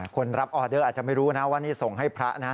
คนรับออเดอร์อาจจะไม่รู้นะว่านี่ส่งให้พระนะ